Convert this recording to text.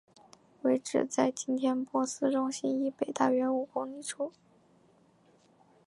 位置在今天的珀斯中心以北大约五公里处。